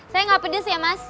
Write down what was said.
saya nggak pedes ya mas